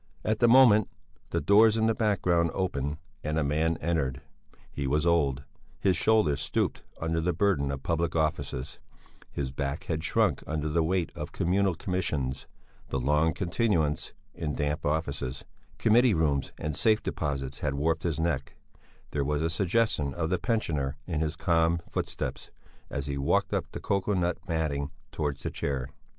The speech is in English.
At the same moment the doors in the background opened and a man entered. He was old; his shoulders stooped under the burden of public offices; his back had shrunk under the weight of communal commissions; the long continuance in damp offices, committee rooms and safe deposits had warped his neck; there was a suggestion of the pensioner in his calm footsteps, as he walked up the cocoa nut matting towards the chair.